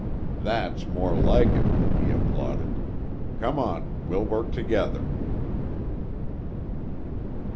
"That's more like it," he applauded. "Come on, we'll work together."